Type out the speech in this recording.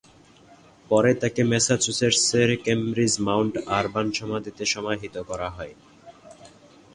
পরে তাকে ম্যাসাচুসেটসের কেমব্রিজের Mount Auburn সমাধিতে সমাহিত করা হয়।